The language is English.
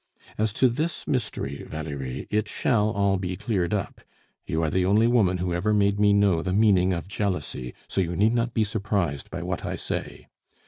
As to this mystery, Valerie, it shall all be cleared up. You are the only woman who ever made me know the meaning of jealousy, so you need not be surprised by what I say.